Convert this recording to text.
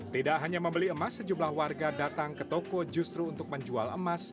tidak hanya membeli emas sejumlah warga datang ke toko justru untuk menjual emas